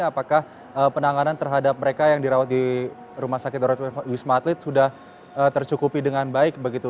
apakah penanganan terhadap mereka yang dirawat di rumah sakit wisma atlet sudah tercukupi dengan baik begitu